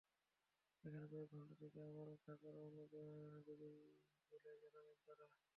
এখানে কয়েক ঘণ্টা থেকে আবার ঢাকা রওনা দেবেন বলে জানালেন তাঁরা।